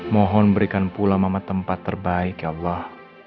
mohon berikan pula mama tempat terbaik ya allah